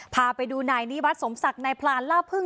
พาไปดูนายนี้บาทสมศักดิ์นายผลานล่าผึ้ง